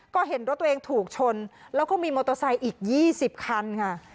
ก็เห็นรถตัวเองถูกชนแล้วก็มีมอเตอร์ไซค์อีก๒๐คันค่ะ